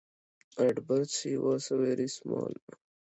At birth she was very small.